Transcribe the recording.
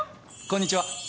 こんにちは。